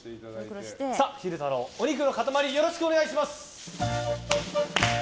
昼太郎、お肉の塊よろしくお願いします。